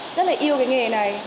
em rất là yêu cái nghề này